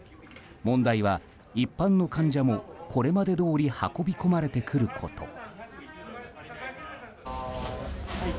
問題は一般の患者もこれまでどおり運び込まれてくること。